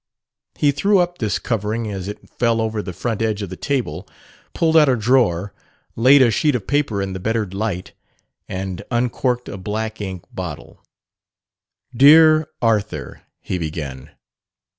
He threw up this covering as it fell over the front edge of the table, pulled out a drawer, laid a sheet of paper in the bettered light, and uncorked a black ink bottle. "Dear Arthur," he began.